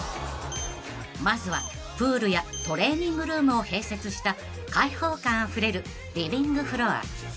［まずはプールやトレーニングルームを併設した開放感あふれるリビングフロア］